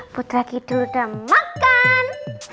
putra kidul udah makan